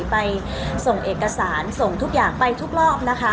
ไปส่งเอกสารส่งทุกอย่างไปทุกรอบนะคะ